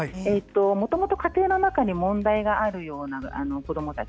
もともと家庭の中に問題がある子どもたち。